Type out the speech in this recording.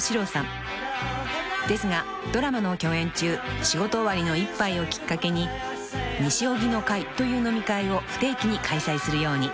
［ですがドラマの共演中仕事終わりの一杯をきっかけに「西荻の会」という飲み会を不定期に開催するように］